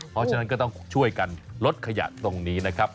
เพราะฉะนั้นก็ต้องช่วยกันลดขยะตรงนี้นะครับ